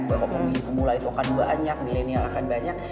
bahwa pemilih pemula itu akan banyak milenial akan banyak